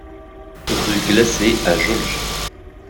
Rue Glacée à Jaulges